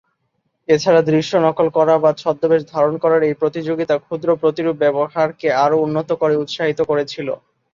এছাড়া দৃশ্য নকল করা বা ছদ্মবেশ ধারণ করার এই প্রতিযোগিতা ক্ষুদ্র প্রতিরূপ ব্যবহারকে আরও উন্নত করে উৎসাহিত করেছিল।